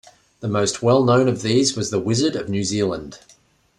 The most well-known of these was The Wizard of New Zealand.